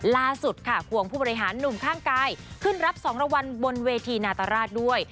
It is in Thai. ล่าสุดค่ะควงผู้บริหารหนุ่มข้างกายขึ้นรับ๒รางวัลบนเวทีนาตราชด้วย